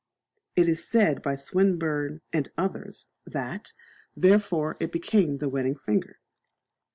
It is said by Swinburn and others, that therefore it became the wedding finger.